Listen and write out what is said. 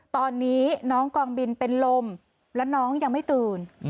ตอนนี้น้องกองบินเป็นลมและน้องยังไม่ตื่น